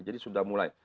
jadi sudah mulai